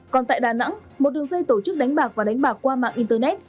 còn tại đà nẵng một đường dây tổ chức đánh bạc và đánh bạc qua mạng internet